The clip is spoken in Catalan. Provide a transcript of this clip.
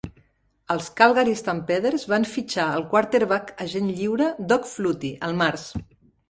Els Calgary Stampeders van fitxar el quarterback agent lliure, Doug Flutie, al març.